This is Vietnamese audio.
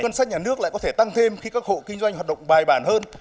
ngân sách nhà nước lại có thể tăng thêm khi các hộ kinh doanh hoạt động bài bản hơn